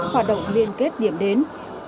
hoạt động liên kết điểm đến